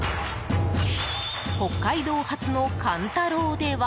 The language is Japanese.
北海道発の函太郎では。